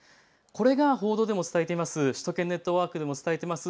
これが報道でも伝えています首都圏ネットワークでも伝えています